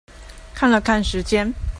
看了看時間